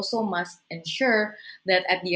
dan mereka juga harus memastikan